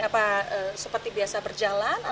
apa seperti biasa berjalan